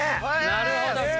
なるほど！